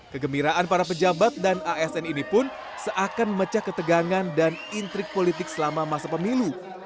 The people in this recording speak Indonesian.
kegembiraan para pejabat dan asn ini pun seakan memecah ketegangan dan intrik politik selama masa pemilu